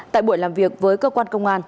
tại buổi làm việc với cơ quan công an